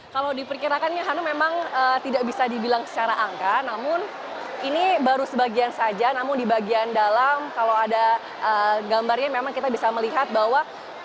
kalau diperkirakan ya hanum memang tidak bisa dibilang secara angka namun ini baru sebagian saja namun di bagian dalam kalau ada gambarnya memang kita bisa melihat bahwa